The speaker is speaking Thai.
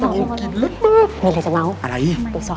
มีอะไรจะเมาท์